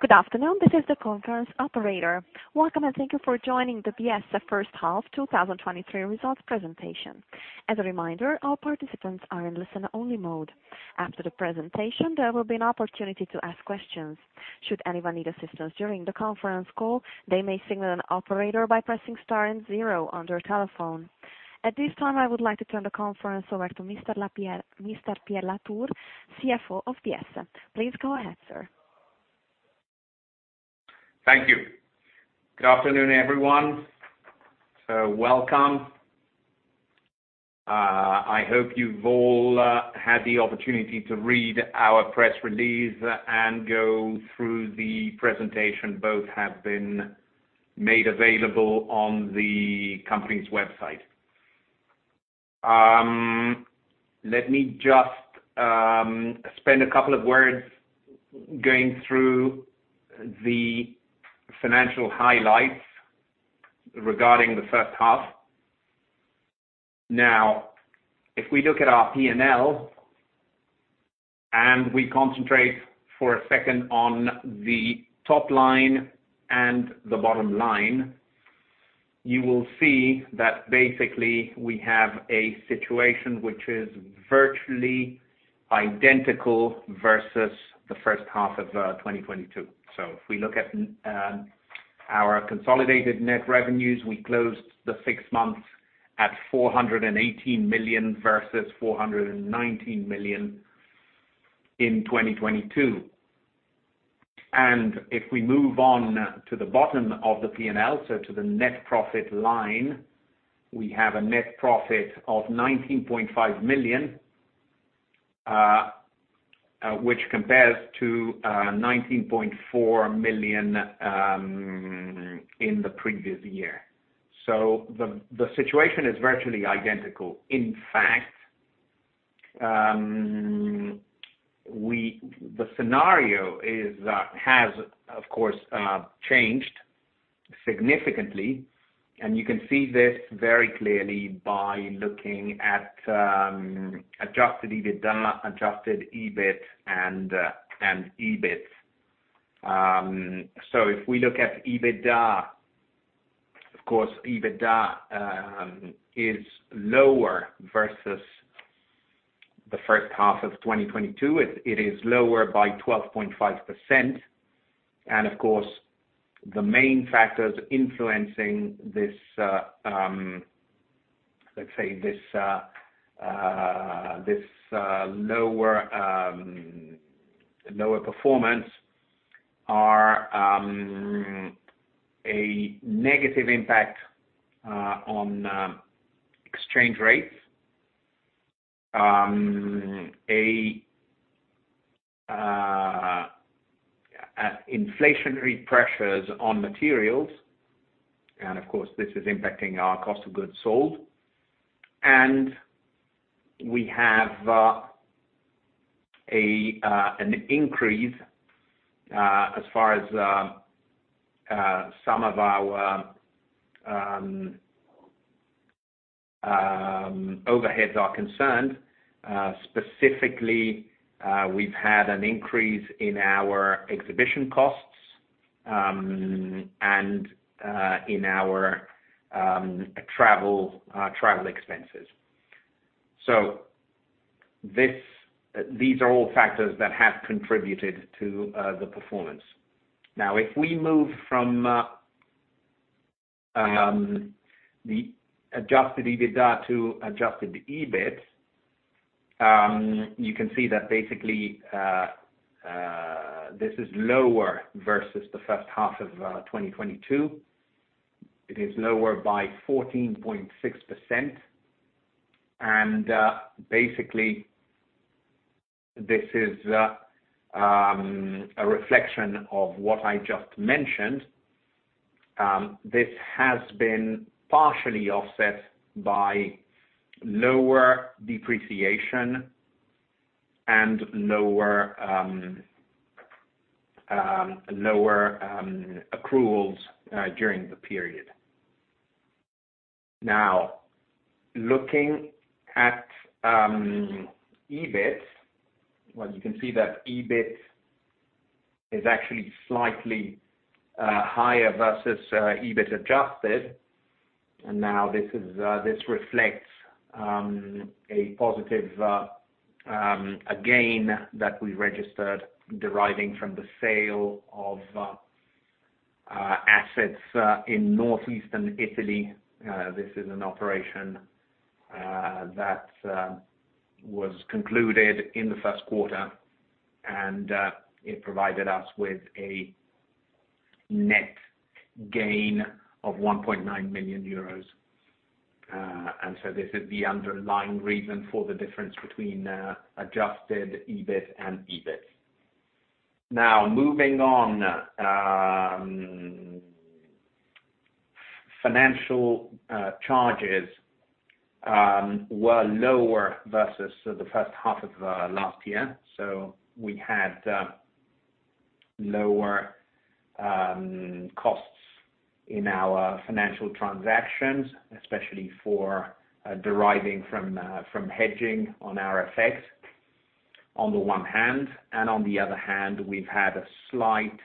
Good afternoon, this is the conference operator. Welcome, and thank you for joining the Biesse first half 2023 results presentation. As a reminder, all participants are in listen-only mode. After the presentation, there will be an opportunity to ask questions. Should anyone need assistance during the conference call, they may signal an operator by pressing star and zero on their telephone. At this time, I would like to turn the conference over to Mr. Pierre La Tour, CFO of Biesse. Please go ahead, sir. Thank you. Good afternoon, everyone. Welcome. I hope you've all had the opportunity to read our press release and go through the presentation. Both have been made available on the company's website. Let me just spend a couple of words going through the financial highlights regarding the first half. Now, if we look at our P&L, and we concentrate for a second on the top line and the bottom line, you will see that basically we have a situation which is virtually identical versus the first half of 2022. If we look at our consolidated net revenues, we closed the six months at 418 million versus 419 million in 2022. And if we move on to the bottom of the P&L, so to the net profit line, we have a net profit of €19.5 million, which compares to €19.4 million in the previous year. So the situation is virtually identical. In fact, the scenario has, of course, changed significantly, and you can see this very clearly by looking at adjusted EBITDA, adjusted EBIT and EBIT. So if we look at EBITDA, of course, EBITDA is lower versus the first half of 2022. It is lower by 12.5%. And of course, the main factors influencing this, let's say this lower performance are a negative impact on exchange rates, inflationary pressures on materials, and of course, this is impacting our cost of goods sold. And we have an increase as far as some of our overheads are concerned. Specifically, we've had an increase in our exhibition costs and in our travel expenses. So these are all factors that have contributed to the performance. Now, if we move from the adjusted EBITDA to adjusted EBIT, you can see that basically this is lower versus the first half of twenty twenty-two. It is lower by 14.6%. And basically, this is a reflection of what I just mentioned. This has been partially offset by lower depreciation and lower accruals during the period. Now, looking at EBIT. Well, you can see that EBIT is actually slightly higher versus EBIT adjusted. And now this reflects a positive gain that we registered deriving from the sale of assets in northeastern Italy. This is an operation that was concluded in the first quarter, and it provided us with a net gain of 1.9 million euros. And so this is the underlying reason for the difference between adjusted EBIT and EBIT. Now, moving on, financial charges were lower versus the first half of last year, so we had lower costs in our financial transactions, especially for deriving from hedging on our FX, on the one hand, and on the other hand, we've had a slight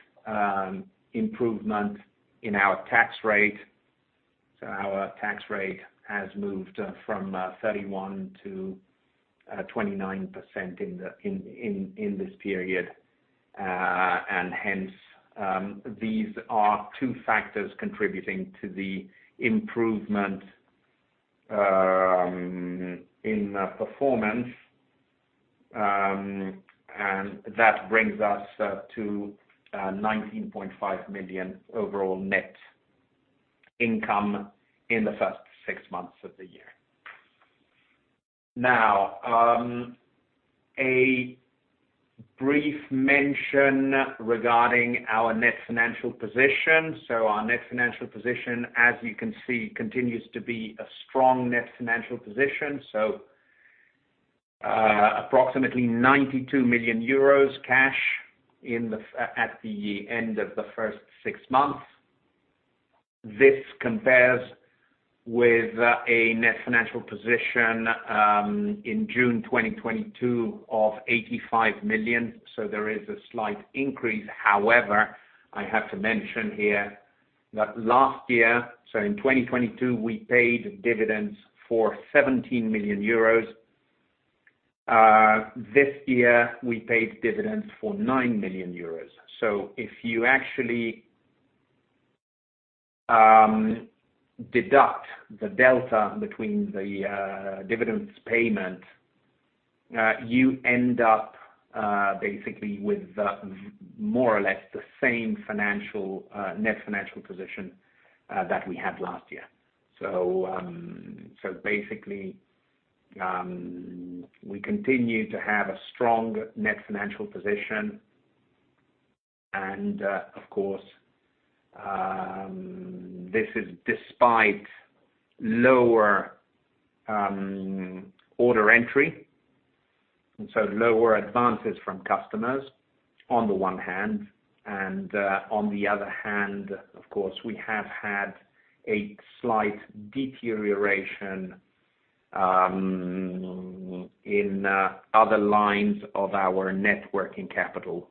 improvement in our tax rate. So our tax rate has moved from 31% to 29% in this period. And hence, these are two factors contributing to the improvement in performance. And that brings us to €19.5 million overall net income in the first six months of the year. Now, a brief mention regarding our net financial position. So our net financial position, as you can see, continues to be a strong net financial position. So, approximately 92 million euros in cash at the end of the first six months. This compares with a net financial position in June 2022 of 85 million, so there is a slight increase. However, I have to mention here that last year, so in 2022, we paid dividends for 17 million euros. This year, we paid dividends for 9 million euros. So if you actually deduct the delta between the dividends payment, you end up basically with more or less the same net financial position that we had last year. So basically, we continue to have a strong net financial position. Of course, this is despite lower order entry, and so lower advances from customers, on the one hand, and on the other hand, of course, we have had a slight deterioration in other lines of our net working capital.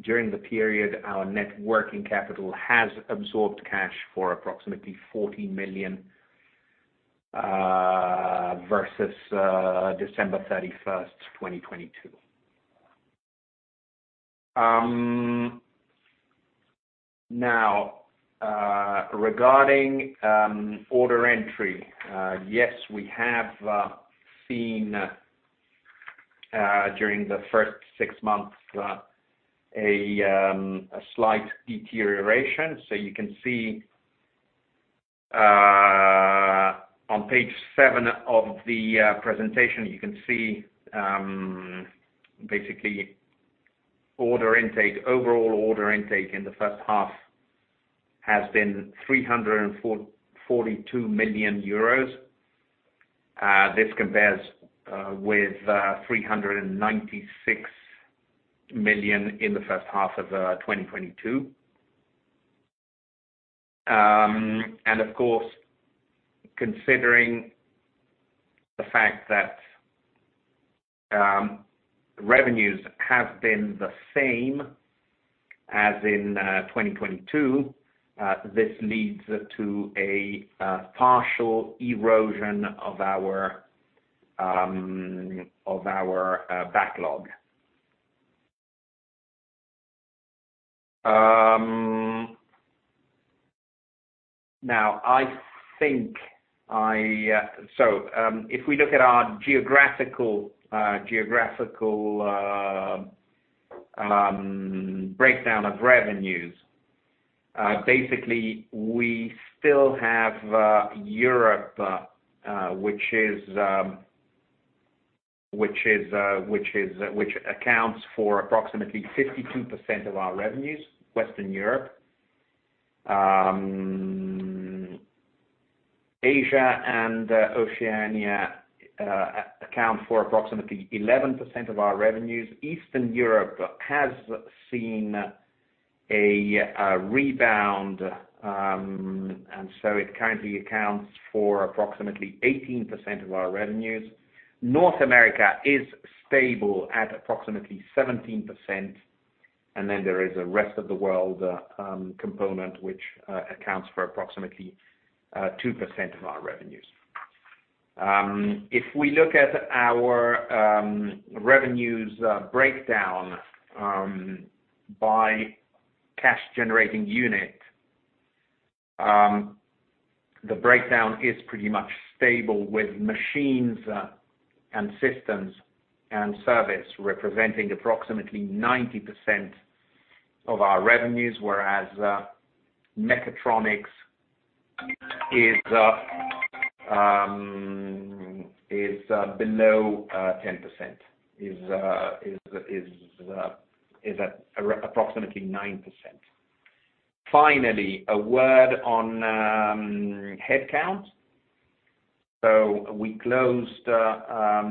During the period, our net working capital has absorbed cash for approximately 40 million versus December 31, 2022. Now, regarding order entry, yes, we have seen during the first six months a slight deterioration. You can see on page 7 of the presentation basically order intake, overall order intake in the first half has been 342 million euros. This compares with 396 million in the first half of 2022. And of course, considering the fact that revenues have been the same as in 2022, this leads to a partial erosion of our backlog. Now, I think I... So, if we look at our geographical breakdown of revenues, basically, we still have Europe, which accounts for approximately 52% of our revenues, Western Europe. Asia and Oceania account for approximately 11% of our revenues. Eastern Europe has seen a rebound, and so it currently accounts for approximately 18% of our revenues. North America is stable at approximately 17%, and then there is a rest of the world component, which accounts for approximately 2% of our revenues. If we look at our revenues breakdown by cash-generating unit, the breakdown is pretty much stable, with machines and systems and service representing approximately 90% of our revenues, whereas mechatronics is below 10%. It is approximately 9%. Finally, a word on headcount. We closed the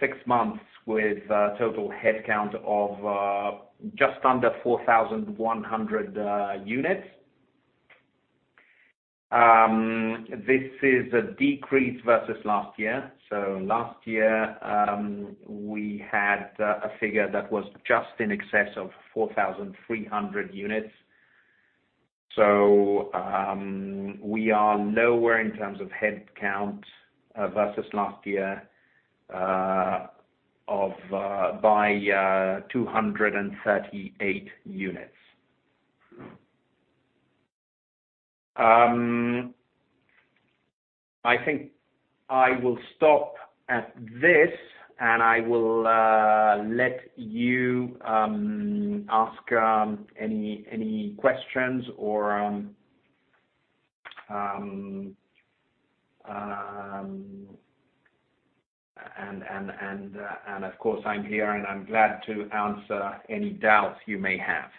six months with a total headcount of just under 4,100 units. This is a decrease versus last year. Last year, we had a figure that was just in excess of 4,300 units. We are lower in terms of headcount versus last year by 238 units. I think I will stop at this, and I will let you ask any questions or, and of course, I'm here, and I'm glad to answer any doubts you may have.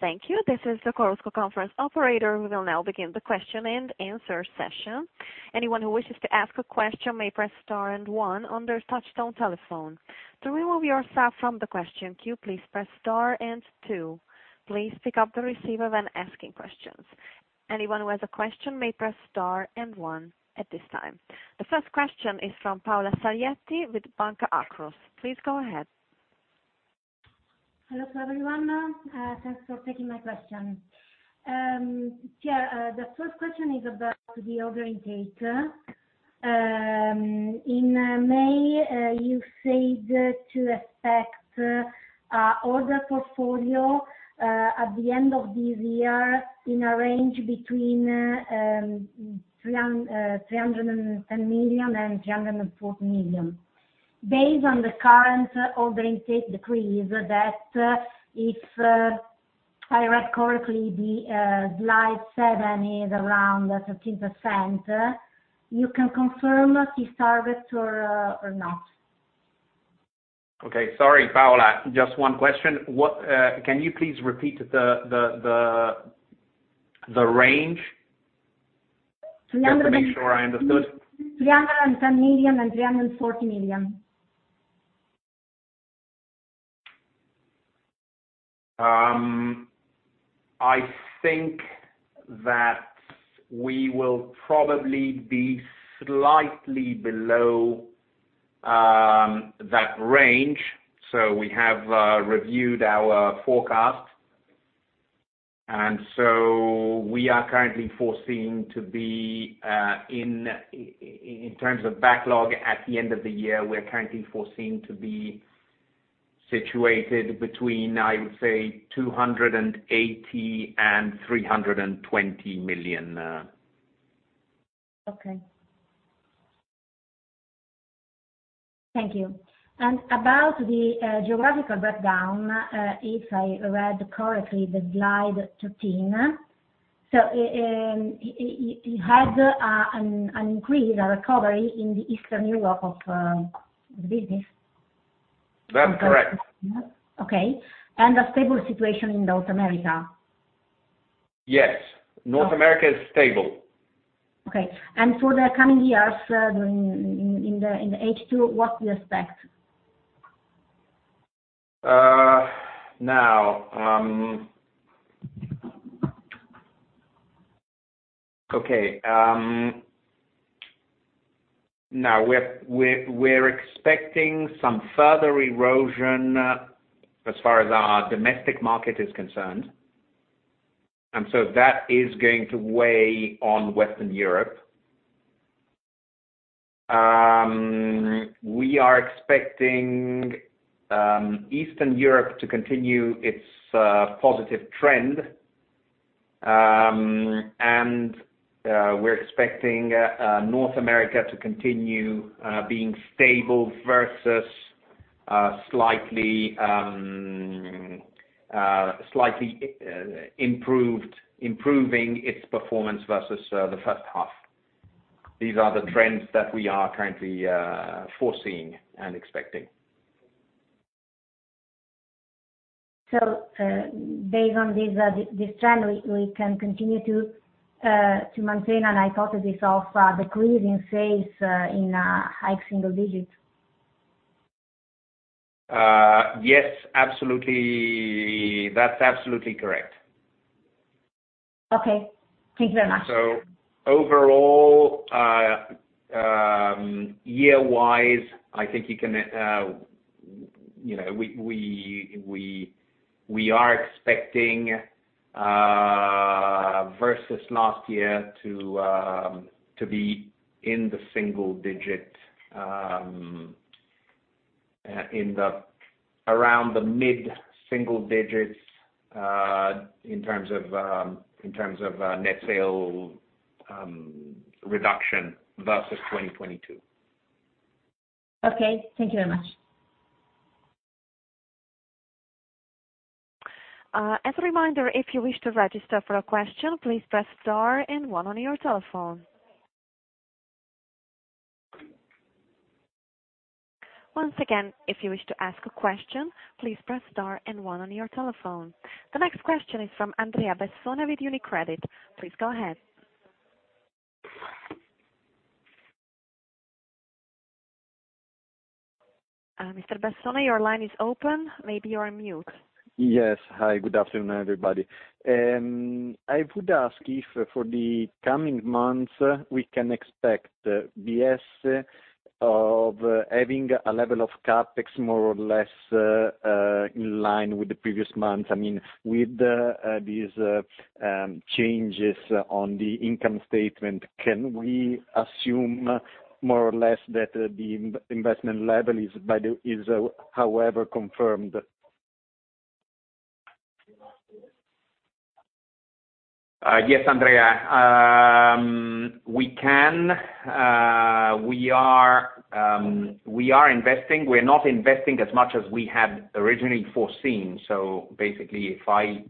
Thank you. This is the Chorus Call conference operator. We will now begin the question and answer session. Anyone who wishes to ask a question may press star and one on their touchtone telephone. To remove yourself from the question queue, please press star and two. Please pick up the receiver when asking questions. Anyone who has a question may press star and one at this time. The first question is from Paola Saglietti with Banca Akros. Please go ahead. Hello, everyone. Thanks for taking my question. Yeah, the first question is about the order intake. In May, you said to expect order portfolio at the end of this year in a range between €310 million and €340 million. Based on the current order intake decrease, that if I read correctly, the slide 7 is around 13%, you can confirm this target or or not? Okay. Sorry, Paola, just one question: Can you please repeat the range? Three hundred and- Just to make sure I understood. EUR 310 million and EUR 340 million. I think that we will probably be slightly below that range. So we have reviewed our forecast, and so we are currently foreseeing to be in terms of backlog at the end of the year, we are currently foreseeing to be situated between, I would say, 280 million and 320 million. Okay. Thank you. And about the geographical breakdown, if I read correctly, the slide thirteen, so, it has an increase, a recovery in the Eastern Europe of the business. That's correct. Okay. And a stable situation in North America? Yes. Oh. North America is stable. Okay. And for the coming years, during the H2, what do you expect? Now we're expecting some further erosion as far as our domestic market is concerned, and so that is going to weigh on Western Europe. We are expecting Eastern Europe to continue its positive trend. And we're expecting North America to continue being stable versus slightly improving its performance versus the first half. These are the trends that we are currently foreseeing and expecting. Based on this trend, we can continue to maintain a hypothesis of decreasing sales in high single digits? Yes, absolutely. That's absolutely correct. Okay. Thank you very much. So overall, year-wise, I think you can, you know, we are expecting versus last year to be in the single digits around the mid-single digits in terms of net sales reduction versus 2022. Okay, thank you very much. As a reminder, if you wish to register for a question, please press star and one on your telephone. Once again, if you wish to ask a question, please press star and one on your telephone. The next question is from Andrea Bessone with UniCredit. Please go ahead. Mr. Bessone, your line is open. Maybe you're on mute. Yes. Hi, good afternoon, everybody. I would ask if for the coming months, we can expect the Biesse of having a level of CapEx, more or less, in line with the previous months? I mean, with these changes on the income statement, can we assume more or less that the investment level is, however, confirmed? Yes, Andrea. We are investing. We're not investing as much as we had originally foreseen. So basically, if I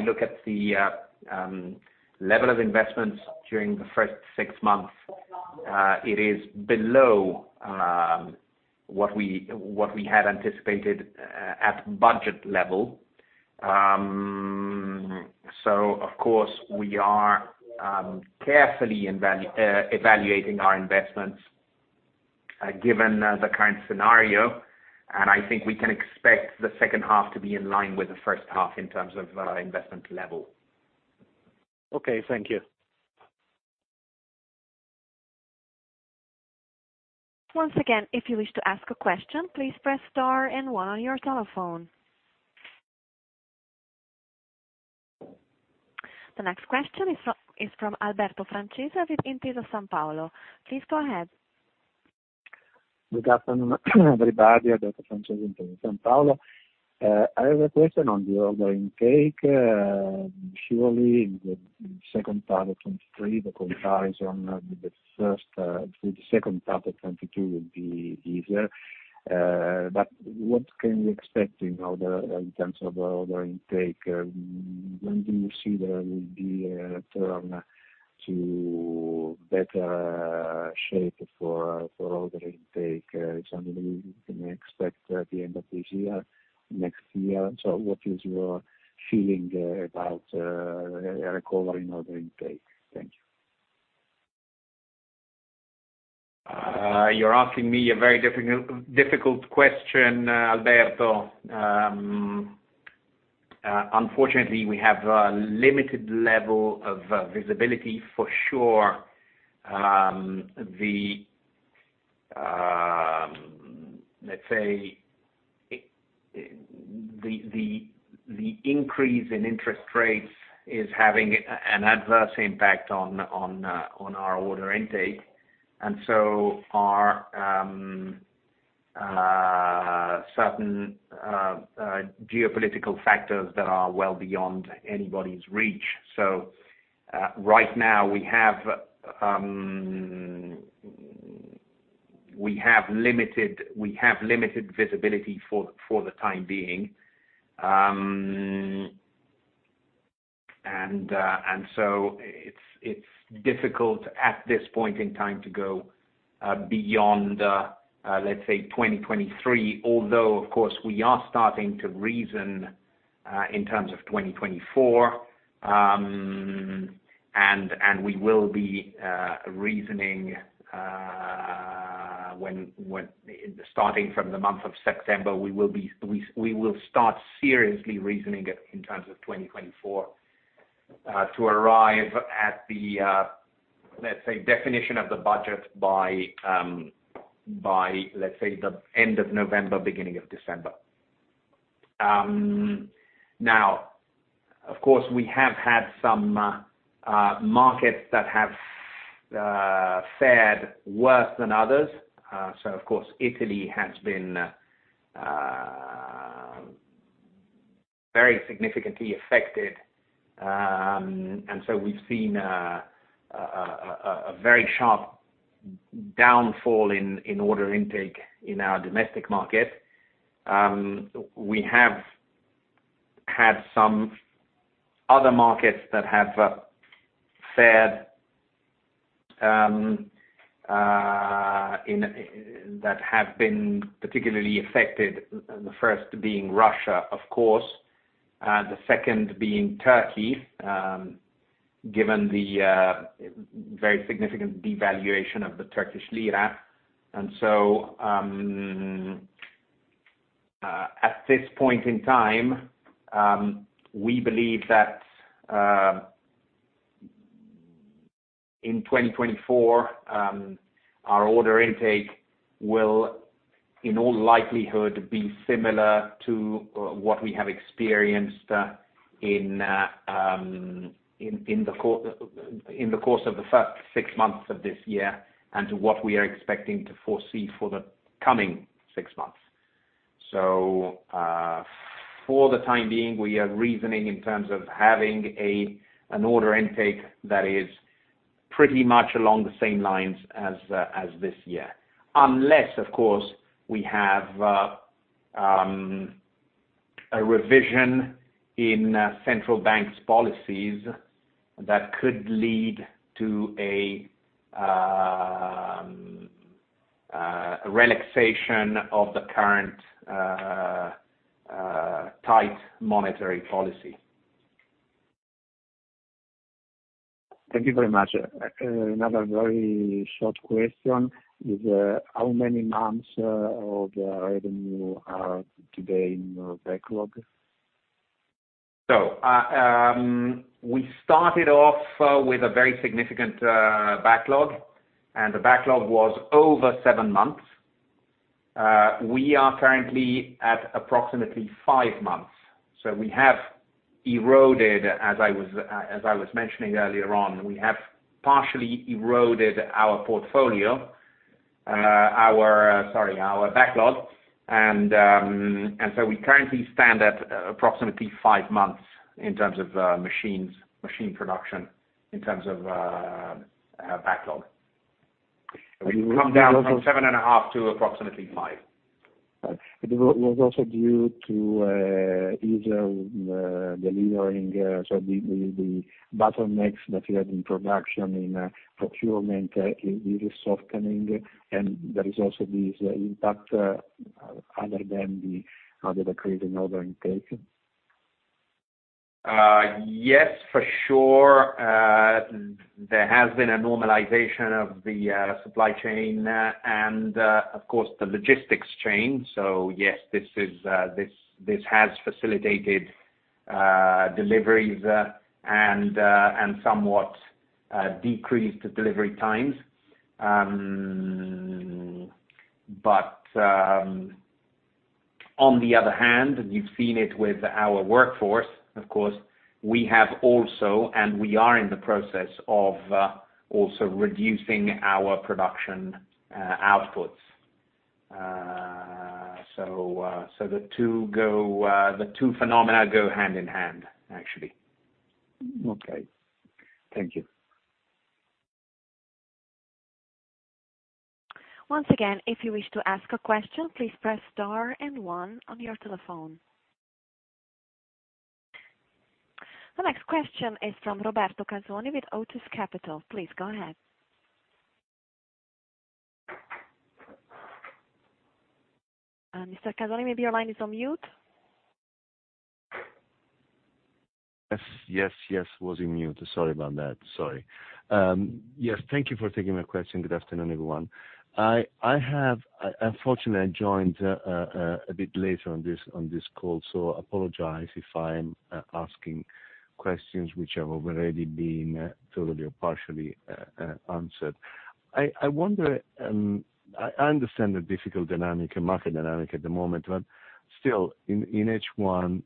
look at the level of investments during the first six months, it is below what we had anticipated at budget level. So of course, we are carefully evaluating our investments given the current scenario, and I think we can expect the second half to be in line with the first half in terms of investment level. Okay. Thank you. Once again, if you wish to ask a question, please press star and one on your telephone. The next question is from Alberto Francese with Intesa Sanpaolo. Please go ahead. Good afternoon, everybody. Alberto Francese, Intesa Sanpaolo. I have a question on the order intake. Surely in the second part of twenty-three, the comparison of the first through the second part of twenty-two would be easier. But what can we expect in terms of order intake? When do you see there will be a turn to better shape for order intake? Something we can expect at the end of this year, next year? So what is your feeling about a recovery in order intake? Thank you. You're asking me a very difficult question, Alberto. Unfortunately, we have a limited level of visibility for sure. The increase in interest rates is having an adverse impact on our order intake, and so certain geopolitical factors that are well beyond anybody's reach, so right now we have limited visibility for the time being, so it's difficult at this point in time to go beyond, let's say 2023, although, of course, we are starting to reason in terms of 2024. And we will be reasoning when starting from the month of September. We will start seriously reasoning it in terms of 2024 to arrive at the, let's say, definition of the budget by, let's say, the end of November, beginning of December. Now, of course, we have had some markets that have fared worse than others. So of course, Italy has been very significantly affected. And so we've seen a very sharp downfall in order intake in our domestic market. We have had some other markets that have been particularly affected, the first being Russia, of course, the second being Turkey, given the very significant devaluation of the Turkish lira. At this point in time, we believe that in twenty twenty-four, our order intake will, in all likelihood, be similar to what we have experienced in the course of the first six months of this year and to what we are expecting to foresee for the coming six months. For the time being, we are reasoning in terms of having an order intake that is pretty much along the same lines as this year. Unless, of course, we have a revision in central bank's policies that could lead to a relaxation of the current tight monetary policy. Thank you very much. Another very short question is, how many months of the revenue are today in your backlog? So, we started off with a very significant backlog, and the backlog was over seven months. We are currently at approximately five months, so we have eroded, as I was mentioning earlier on, we have partially eroded our portfolio, sorry, our backlog. And so we currently stand at approximately five months in terms of machines, machine production, in terms of backlog. We've come down from seven and a half to approximately five. But it was also due to easier delivering, so the bottlenecks that you had in production, in procurement is softening, and there is also this impact other than the increasing order intake? Yes, for sure. There has been a normalization of the supply chain, and, of course, the logistics chain. So yes, this has facilitated deliveries, and somewhat decreased delivery times. But on the other hand, you've seen it with our workforce. Of course, we have also, and we are in the process of also reducing our production outputs. So the two phenomena go hand in hand, actually. Okay. Thank you. Once again, if you wish to ask a question, please press Star and One on your telephone. The next question is from Roberto Calzoni with Otus Capital. Please go ahead. Mr. Calzoni, maybe your line is on mute? Yes, yes, yes, was on mute. Sorry about that. Sorry. Yes, thank you for taking my question. Good afternoon, everyone. I have, unfortunately, I joined a bit later on this call, so apologize if I'm asking questions which have already been totally or partially answered. I wonder, I understand the difficult dynamic and market dynamic at the moment, but still, in H1,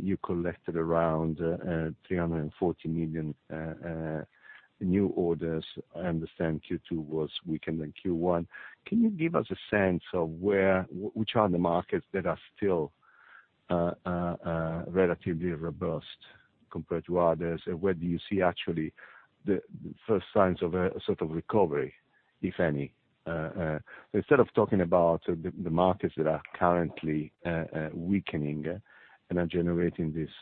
you collected around €340 million new orders. I understand Q2 was weaker than Q1. Can you give us a sense of where, which are the markets that are still relatively robust compared to others? Where do you see actually the first signs of a sort of recovery, if any? Instead of talking about the markets that are currently weakening and are generating this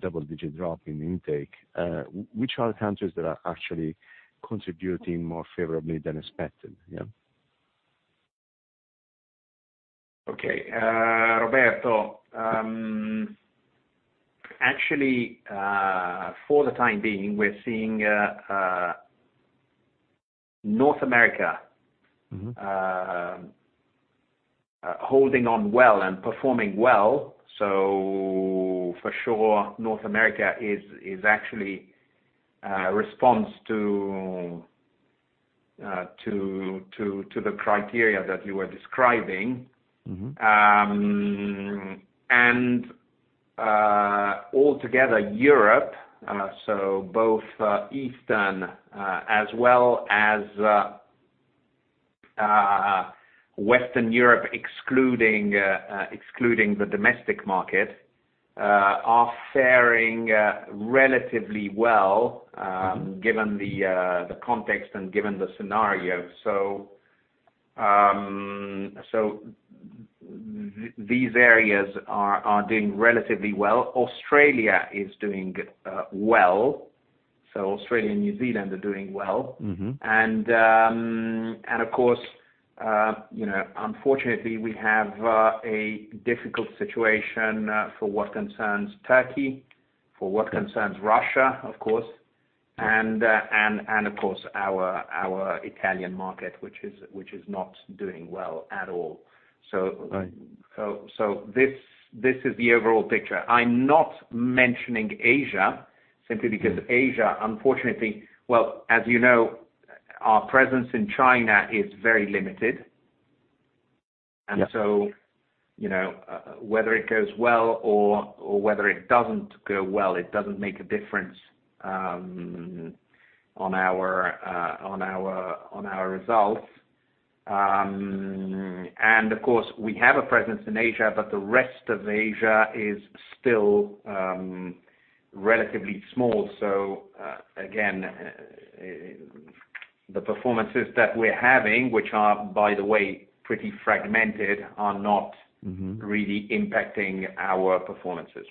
double-digit drop in intake, which are the countries that are actually contributing more favorably than expected? Yeah. Okay. Roberto, actually, for the time being, we're seeing North America- Mm-hmm. holding on well and performing well. So for sure, North America is actually a response to the criteria that you were describing. Mm-hmm. And altogether, Europe, so both Eastern as well as Western Europe, excluding the domestic market, are faring relatively well. Mm-hmm... given the context and given the scenario. So these areas are doing relatively well. Australia is doing well. So Australia and New Zealand are doing well. Mm-hmm. Of course, you know, unfortunately, we have a difficult situation for what concerns Turkey, for what concerns Russia, of course, and of course, our Italian market, which is not doing well at all. So- Right. This is the overall picture. I'm not mentioning Asia, simply because- Mm. Asia, unfortunately... Well, as you know, our presence in China is very limited. Yeah. And so, you know, whether it goes well or whether it doesn't go well, it doesn't make a difference on our results. And of course, we have a presence in Asia, but the rest of Asia is still relatively small, so again, the performances that we're having, which are, by the way, pretty fragmented, are not- Mm-hmm. really impacting our performances.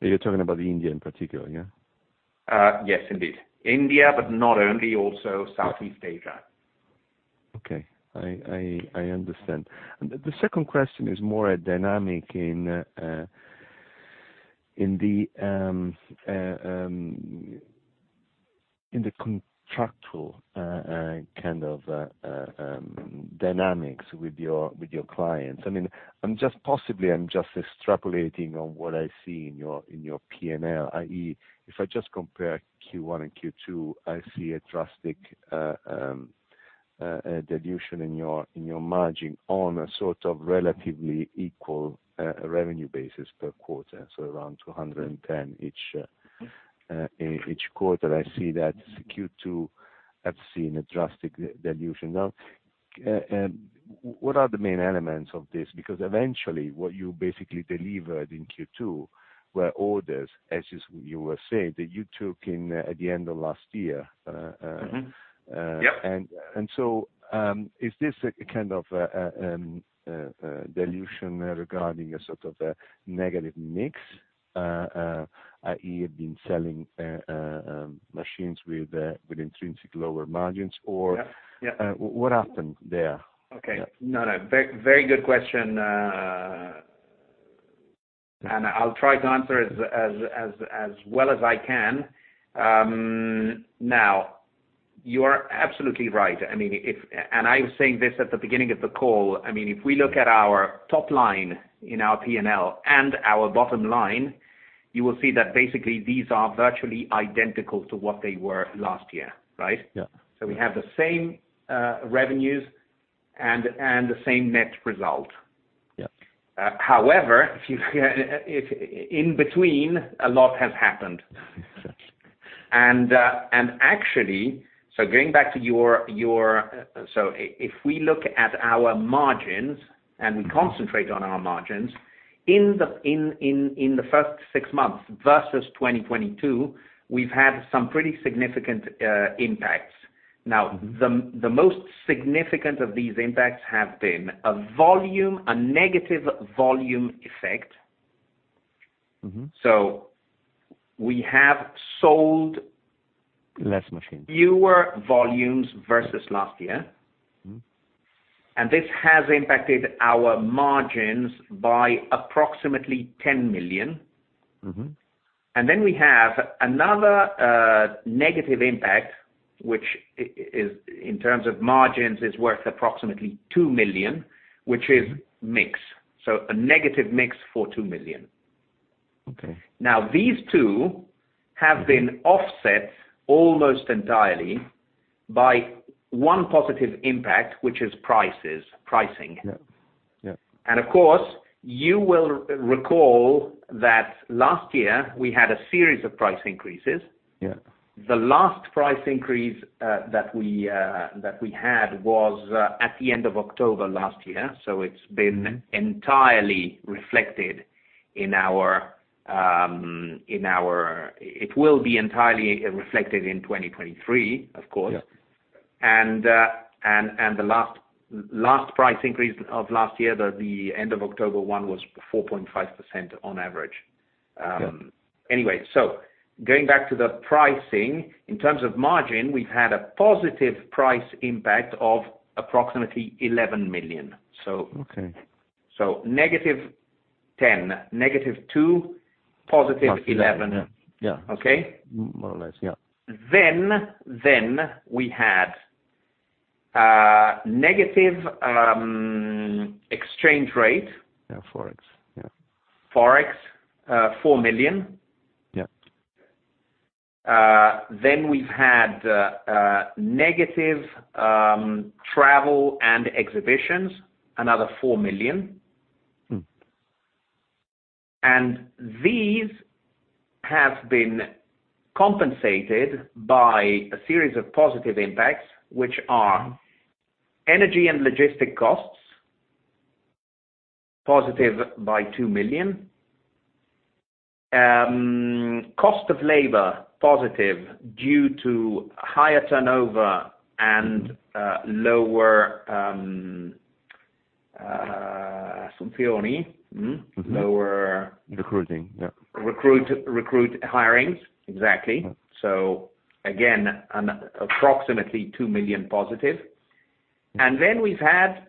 You're talking about India in particular, yeah? Yes, indeed. India, but not only, also Southeast Asia. Okay. I understand. The second question is more a dynamic in the contractual kind of dynamics with your clients. I mean, I'm just possibly extrapolating on what I see in your P&L, i.e., if I just compare Q1 and Q2, I see a drastic dilution in your margin on a sort of relatively equal revenue basis per quarter, so around two hundred and ten each quarter. I see that Q2 have seen a drastic dilution. Now, what are the main elements of this? Because eventually, what you basically delivered in Q2 were orders, as you were saying, that you took in at the end of last year. Mm-hmm. Yep. So, is this a kind of dilution regarding a sort of a negative mix, i.e., you've been selling machines with intrinsic lower margins, or- Yeah, yeah. What happened there? Okay. No, no, very good question, and I'll try to answer as well as I can. Now, you are absolutely right. I mean, and I was saying this at the beginning of the call, I mean, if we look at our top line in our P&L and our bottom line, you will see that basically these are virtually identical to what they were last year, right? Yeah. So we have the same revenues and the same net result. Yeah. However, if you, in between, a lot has happened. Actually, going back to your, if we look at our margins- Mm-hmm... and we concentrate on our margins, in the first six months versus 2022, we've had some pretty significant impacts. Now, the most significant of these impacts have been a negative volume effect. Mm-hmm. So we have sold- Less machines... fewer volumes versus last year. Mm. This has impacted our margins by approximately 10 million. Mm-hmm. And then we have another negative impact, which, in terms of margins, is worth approximately 2 million, which is mix. So a negative mix for 2 million. Okay. Now, these two- Mm-hmm... have been offset almost entirely by one positive impact, which is prices, pricing. Yeah. Yeah. Of course, you will recall that last year we had a series of price increases. Yeah. The last price increase that we had was at the end of October last year. So it's been- Mm... entirely reflected in our. It will be entirely reflected in 2023, of course. Yeah. The last price increase of last year, the end-of-October one, was 4.5% on average. Yeah. Anyway, so going back to the pricing, in terms of margin, we've had a positive price impact of approximately €11 million. So- Okay. So negative ten, negative two, positive eleven. Yeah. Yeah. Okay? More or less, yeah. Then we had negative exchange rate. Yeah, Forex, yeah. Forex, €4 million. Yeah. Then we've had negative travel and exhibitions, another €4 million. Hmm. And these have been compensated by a series of positive impacts, which are energy and logistics costs, positive by 2 million. Cost of labor, positive due to higher turnover and lower assumption. Mm-hmm... lower- Recruiting, yeah. Recruit, recruit hirings. Exactly. Yeah. So again, an approximately €2 million positive. Mm-hmm. And then we've had,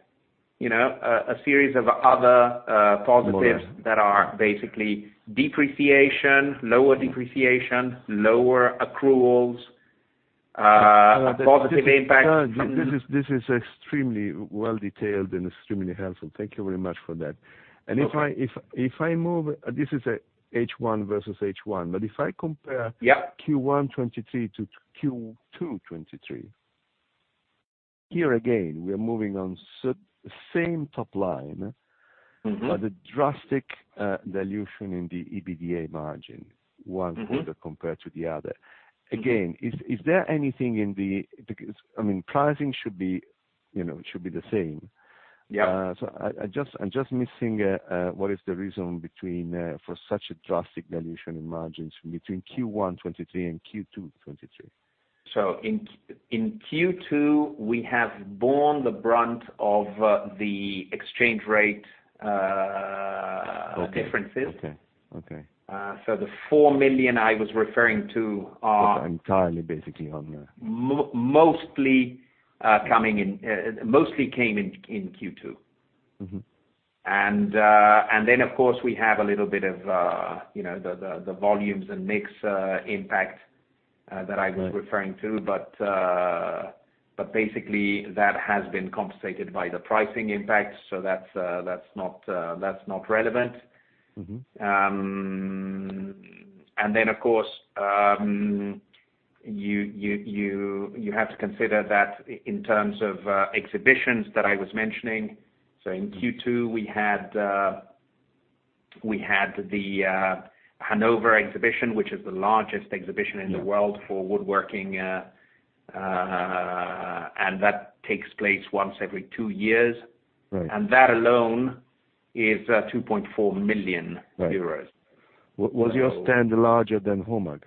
you know, a series of other positives- More... that are basically depreciation, lower depreciation, lower accruals, positive impact from- This is extremely well detailed and extremely helpful. Thank you very much for that. Okay. If I move... This is a H1 versus H1, but if I compare- Yeah... Q1 2023 to Q2 2023, here again, we are moving on same top line- Mm-hmm... but a drastic dilution in the EBITDA margin, one quarter- Mm-hmm... compared to the other. Mm-hmm. Again, is there anything in the? Because, I mean, pricing should be, you know, should be the same. So I just, I'm just missing what is the reason between for such a drastic dilution in margins between Q1 2023 and Q2 2023? So in Q2, we have borne the brunt of the exchange rate. Okay. -differences. Okay, okay. So the four million I was referring to are- So, entirely basically on the- Mostly came in, in Q2. Mm-hmm. And then of course, we have a little bit of, you know, the volumes and mix impact that I- Right... was referring to. But basically, that has been compensated by the pricing impact, so that's not relevant. Mm-hmm. And then of course, you have to consider that in terms of exhibitions that I was mentioning. Mm-hmm. So in Q2, we had the Hanover exhibition, which is the largest exhibition in the world. Yeah... for woodworking, and that takes place once every two years. Right. And that alone is 2.4 million euros. Right. Was your stand larger than HOMAG?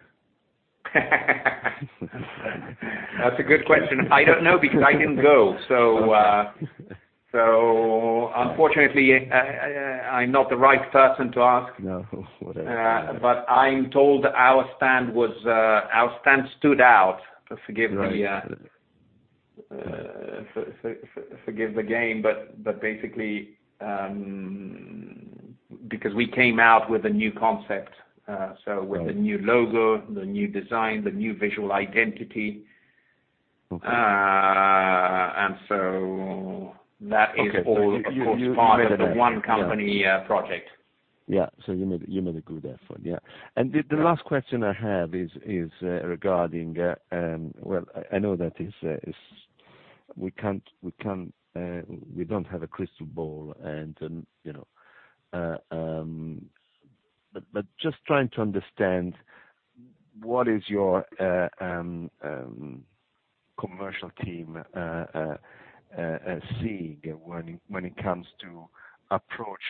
That's a good question. I don't know, because I didn't go. Okay. Unfortunately, I'm not the right person to ask. No, whatever. but I'm told our stand stood out, forgive me, Right... forgive the game, but basically, because we came out with a new concept, so- Right... with the new logo, the new design, the new visual identity. Okay. And so that is all. Okay. -Of course, part of the One Company project. Yeah, so you made, you made a good effort. Yeah. Yeah. And the last question I have is regarding. Well, I know that we can't. We don't have a crystal ball and, you know. But just trying to understand what is your commercial team seeing when it comes to approach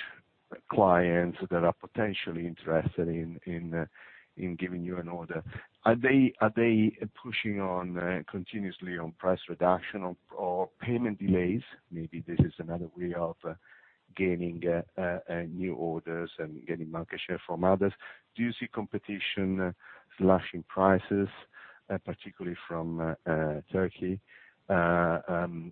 clients that are potentially interested in giving you an order? Are they pushing on continuously on price reduction or payment delays? Maybe this is another way of gaining new orders and getting market share from others. Do you see competition slashing prices, particularly from Turkey? How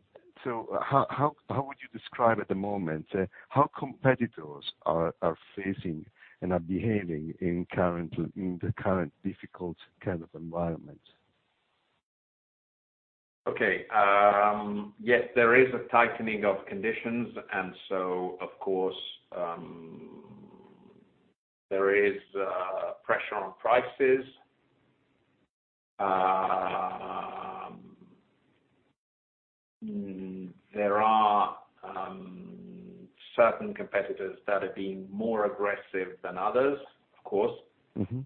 would you describe at the moment how competitors are facing and are behaving in the current difficult kind of environment? Okay. Yes, there is a tightening of conditions, and so of course, there is pressure on prices. There are certain competitors that are being more aggressive than others, of course. Mm-hmm.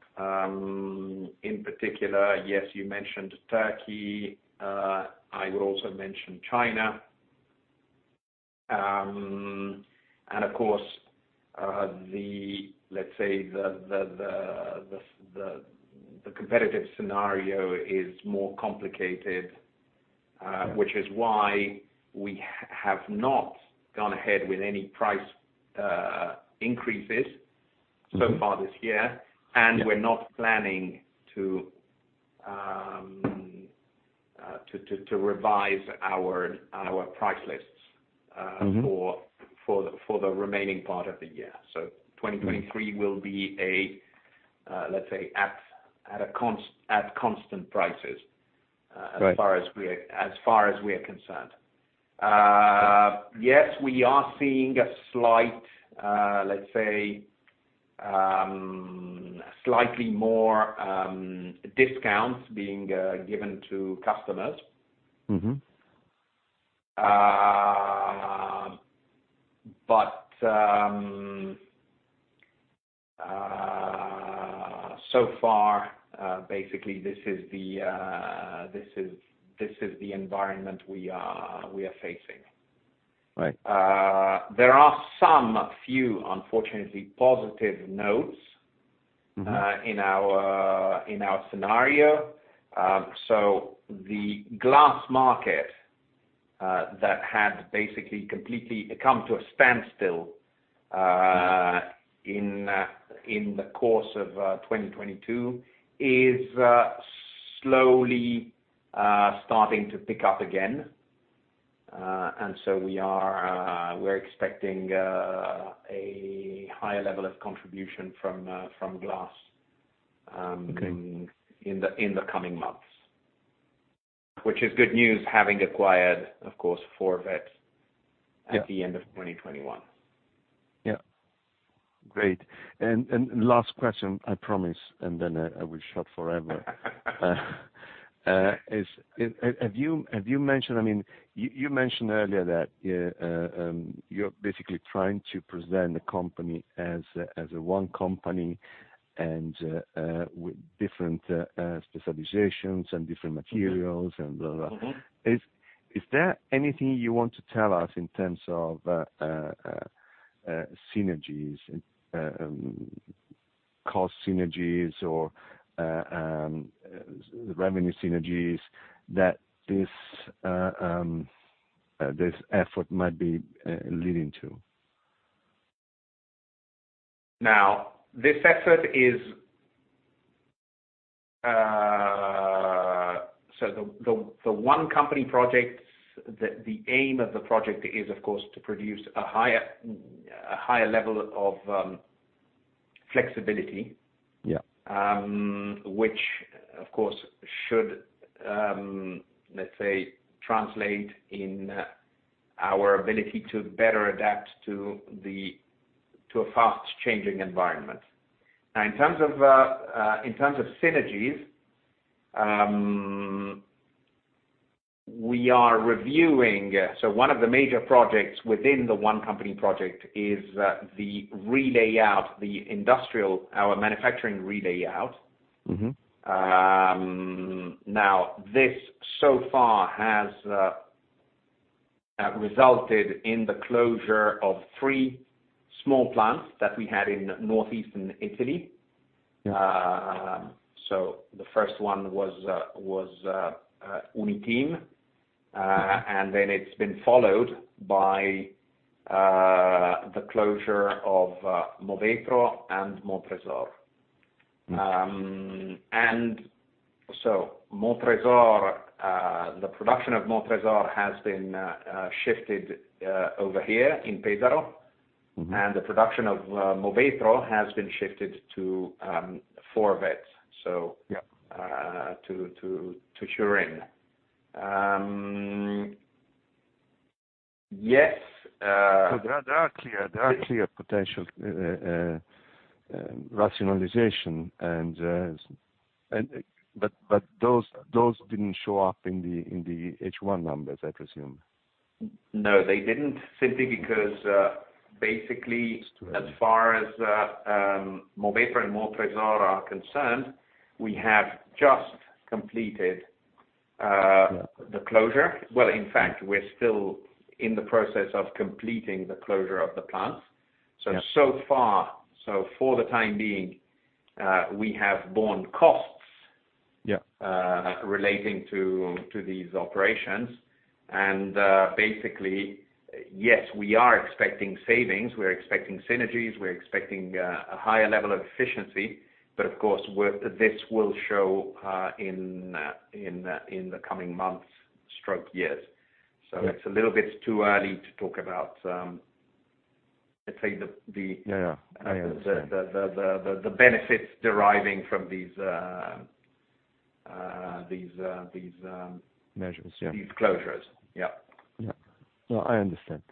In particular, yes, you mentioned Turkey. I would also mention China, and of course, let's say, the competitive scenario is more complicated- Yeah... which is why we have not gone ahead with any price increases- Mm-hmm... so far this year. Yeah. And we're not planning to revise our price lists. Mm-hmm... for the remaining part of the year. So 2023- Mm-hmm... will be a, let's say, at constant prices. Right... as far as we are concerned. Yes, we are seeing a slight, let's say, slightly more discounts being given to customers. Mm-hmm. But so far, basically, this is the environment we are facing. Right. There are some few, unfortunately, positive notes. Mm-hmm... in our scenario. So the glass market that had basically completely come to a standstill in the course of twenty twenty-two is slowly starting to pick up again. And so we are, we're expecting a higher level of contribution from glass, Okay... in the coming months, which is good news, having acquired, of course, Forvet- Yeah... at the end of twenty twenty-one. Yeah. Great. And last question, I promise, and then I will shut forever. Have you mentioned—I mean, you mentioned earlier that you're basically trying to present the company as a One Company... and with different specializations and different materials and blah, blah, blah. Mm-hmm. Is there anything you want to tell us in terms of synergies and cost synergies or revenue synergies that this effort might be leading to? Now, this effort is. So the One Company projects, the aim of the project is, of course, to produce a higher level of flexibility. Yeah. Which, of course, should, let's say, translate in our ability to better adapt to a fast changing environment. Now, in terms of synergies, we are reviewing. So one of the major projects within the One Company project is the re-layout, the industrial, our manufacturing re-layout. Mm-hmm. Now, this so far has resulted in the closure of three small plants that we had in Northeastern Italy. Yeah. So the first one was Uniteam, and then it's been followed by the closure of Movetro and Montresor. Mm-hmm. And so Montresor, the production of Montresor has been shifted over here in Pesaro. Mm-hmm. The production of Moveetro has been shifted to Forvet. Yeah... to Turin. Yes. So there are clear potential rationalization, and... But those didn't show up in the H1 numbers, I presume? No, they didn't, simply because, basically- That's true... as far as Moveetro and Montresor are concerned, we have just completed, Yeah... the closure. Well, in fact, we're still in the process of completing the closure of the plants. Yeah. So far, for the time being, we have borne costs. Yeah... relating to these operations. And basically, yes, we are expecting savings, we're expecting synergies, we're expecting a higher level of efficiency, but of course, this will show in the coming months or years. Yeah. So it's a little bit too early to talk about, let's say the- Yeah. I understand.... the benefits deriving from these... Measures, yeah... these closures. Yeah. Yeah. No, I understand.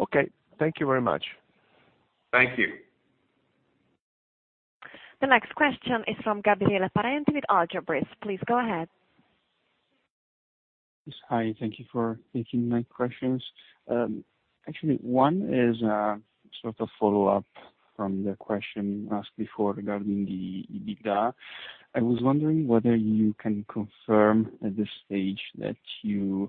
Okay, thank you very much. Thank you. The next question is from Gabriele Parenti with Algebris. Please go ahead. Yes. Hi, thank you for taking my questions. Actually, one is sort of a follow-up from the question asked before regarding the EBITDA. I was wondering whether you can confirm at this stage that you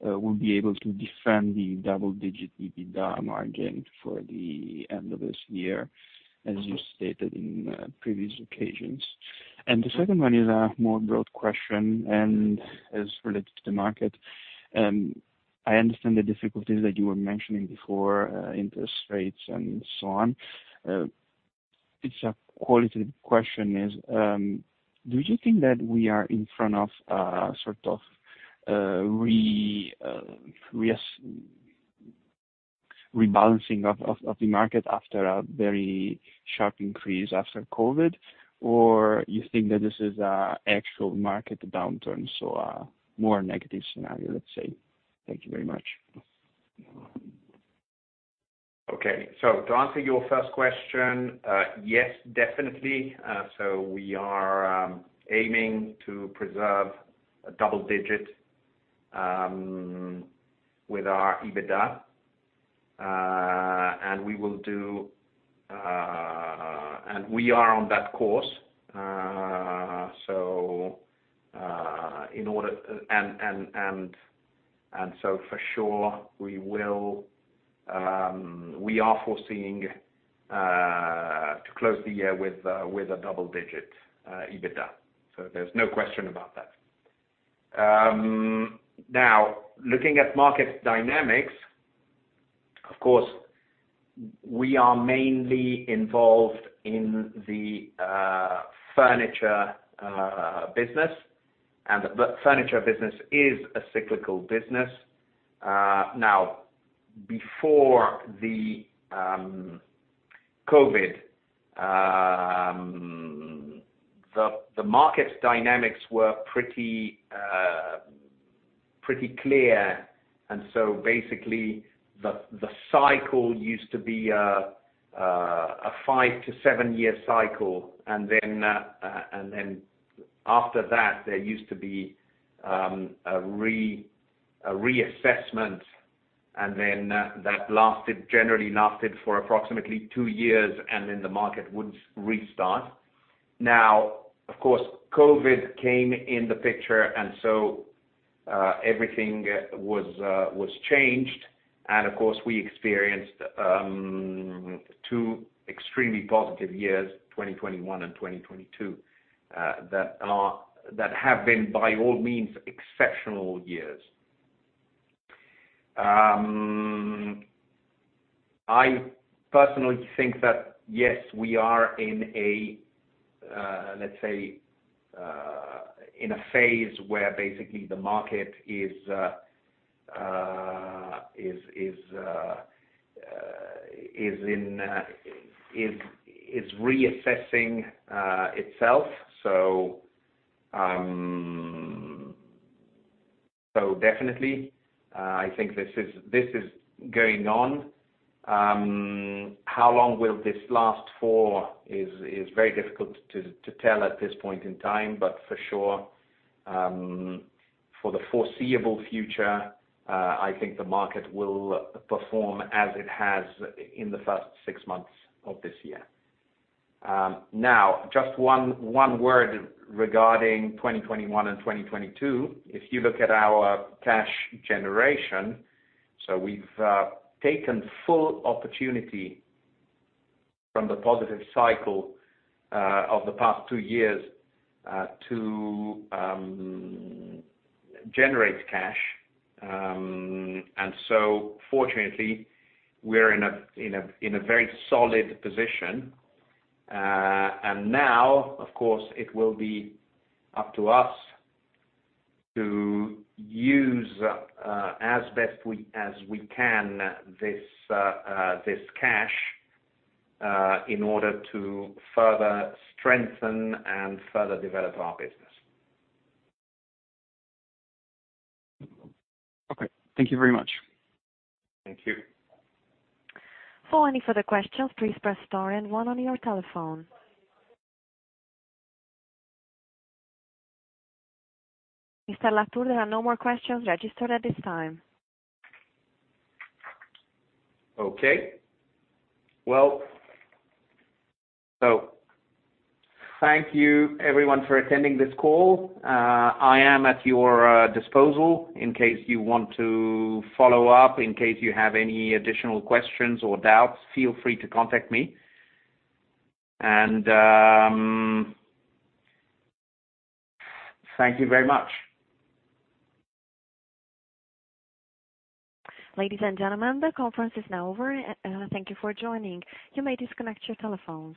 will be able to defend the double-digit EBITDA margin for the end of this year, as you stated in previous occasions? And the second one is a more broad question, and is related to the market. I understand the difficulties that you were mentioning before, interest rates and so on. It's a qualitative question, is do you think that we are in front of sort of rebalancing of the market after a very sharp increase after COVID, or you think that this is an actual market downturn, so a more negative scenario, let's say? Thank you very much. Okay. To answer your first question, yes, definitely. We are aiming to preserve a double digit with our EBITDA, and we will do. We are on that course. For sure, we will. We are foreseeing to close the year with a double digit EBITDA. There's no question about that. Now, looking at market dynamics, of course, we are mainly involved in the furniture business, and the furniture business is a cyclical business. Now, before the COVID, the market dynamics were pretty clear, and so basically, the cycle used to be a 5-7-year cycle. Then after that, there used to be a reassessment-... Then that lasted generally for approximately two years, and then the market would restart. Now, of course, COVID came in the picture, and so everything was changed. Of course, we experienced two extremely positive years, 2021 and 2022, that have been, by all means, exceptional years. I personally think that, yes, we are in a—let's say—in a phase where basically the market is reassessing itself. Definitely, I think this is going on. How long will this last for is very difficult to tell at this point in time, but for sure, for the foreseeable future, I think the market will perform as it has in the first six months of this year. Now, just one word regarding 2021 and 2022. If you look at our cash generation, so we've taken full opportunity from the positive cycle of the past two years to generate cash. And so fortunately, we're in a very solid position. And now, of course, it will be up to us to use as best as we can this cash in order to further strengthen and further develop our business. Okay, thank you very much. Thank you. For any further questions, please press star and one on your telephone. Mr. La Tour, there are no more questions registered at this time. Okay, well, so thank you everyone for attending this call. I am at your disposal in case you want to follow up, in case you have any additional questions or doubts, feel free to contact me, and thank you very much. Ladies and gentlemen, the conference is now over, and thank you for joining. You may disconnect your telephone.